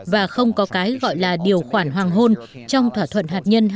và không có cái gọi là điều khoản hoàng hôn trong thỏa thuận hạt nhân